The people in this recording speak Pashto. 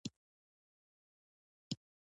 د مډرنې نړۍ له نورو وګړو سره سیال کېدو لاره ده.